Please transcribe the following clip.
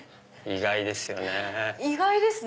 意外ですね。